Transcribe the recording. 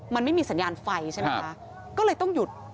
มันไม่มีสัญญาณไฟใช่ไหมคะก็เลยต้องหยุด